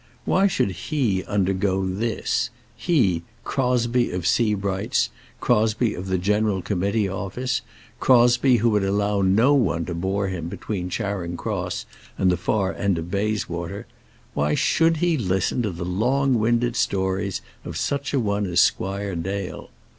Why should he undergo this, he, Crosbie of Sebright's, Crosbie of the General Committee Office, Crosbie who would allow no one to bore him between Charing Cross and the far end of Bayswater, why should he listen to the long winded stories of such a one as Squire Dale?